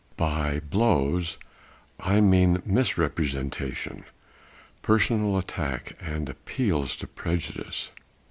By "blows" I mean misrepresentation, personal attack and appeals to prejudice.